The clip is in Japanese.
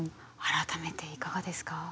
改めていかがですか？